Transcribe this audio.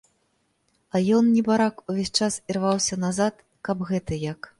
А ён, небарак, увесь час ірваўся назад каб гэта як.